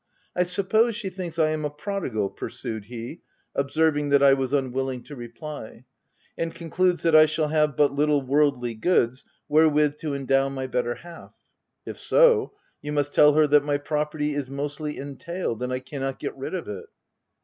I suppose she thinks I am a prodigal/' pursued he, observing that I was unwilling to reply, " and concludes that I shall have but little worldly goods wherewith to endow my better half? If so, you must tell her that my property is mostly entailed, and I cannot get rid of it.